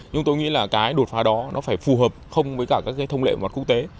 nhưng tôi nghĩ là cái đột phá đó nó phải phù hợp không với cả các cái thông lệ mặt quốc tế